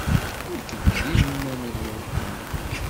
Nekk d iman n waṭṭan.